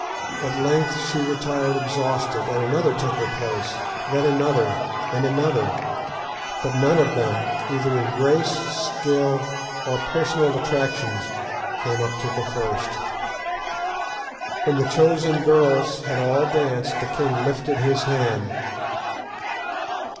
At length she retired exhausted, and another took her place, then another and another, but none of them, either in grace, skill, or personal attractions, came up to the first. When the chosen girls had all danced, the king lifted his hand.